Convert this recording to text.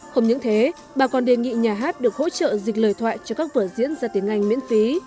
không những thế bà còn đề nghị nhà hát được hỗ trợ dịch lời thoại cho các vở diễn ra tiếng anh miễn phí